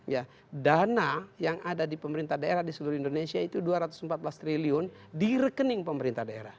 ya dana yang ada di pemerintah daerah di seluruh indonesia itu dua ratus empat belas triliun di rekening pemerintah daerah